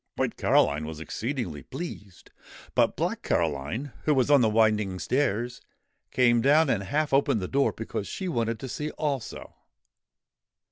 White Caroline was exceedingly pleased ! But Black Caroline, who was on the winding stairs, came down and half opened the door because she wanted to see also.